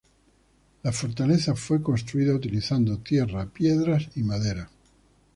La fortaleza fue construida utilizando tierra, piedras y madera.